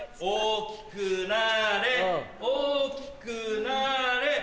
大きくなれ大きくなれ！